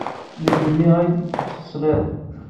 Nekk nniɣ-ak-d kečč tesliḍ-d.